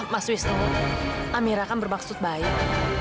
mas wisnu amira kan bermaksud baik